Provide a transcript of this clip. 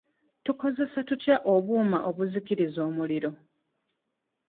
Tukozesa tutya obuuma obuzikiriza omuliro?